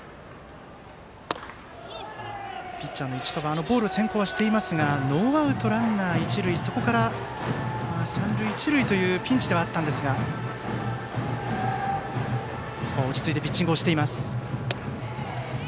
ピッチャーの市川ボールが先行していますがノーアウトランナー、一塁から三塁一塁というピンチではあったんですがここは落ち着いてピッチングをしています。